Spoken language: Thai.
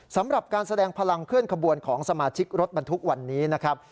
สำหรับการแสดงพลังเคลื่อนขบวนของสมาชิกรถบรรทุกวันนี้นะครับ